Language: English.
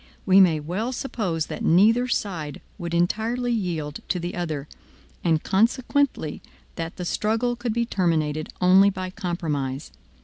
We may well suppose that neither side would entirely yield to the other, and consequently that the struggle could be terminated only by compromise.